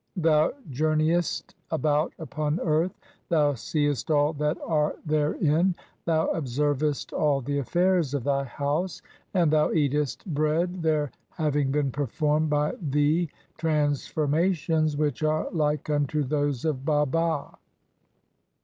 Thou journeyest "about upon the earth, thou seest all that are there "in, thou observest all the affairs of thy house, and "thou eatest bread, there having been performed by "thee transformations which are like unto those of "Baba.